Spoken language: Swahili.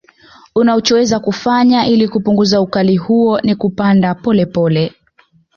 Unachoweza kufanya ili kupunguza ukali huo ni kupanda pole pole